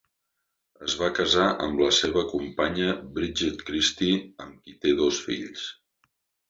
Es va casar amb la seva companya Bridget Christie, amb qui té dos fills.